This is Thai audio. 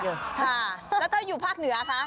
แล้วถ้าอยู่ภาคเหนือคะ